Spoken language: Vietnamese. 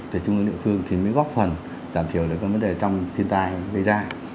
từ trung ương địa phương thì mới góp phần giảm thiểu được các vấn đề trong thiên tai gây ra